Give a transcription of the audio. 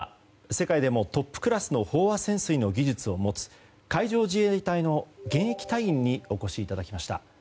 今日は、世界でもトップクラスの飽和潜水の技術を持つ海上自衛隊の現役隊員にお越しいただきました。